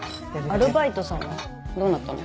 アルバイトさんはどうなったの？